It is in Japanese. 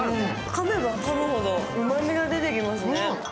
かめばかむほどうまみが出てきますね。